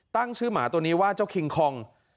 ตั้งชื่อหมาตัวนี้ว่าเจ้าคิงคอง